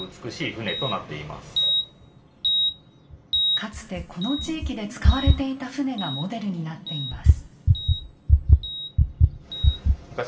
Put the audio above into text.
かつてこの地域で使われていた船がモデルになっています。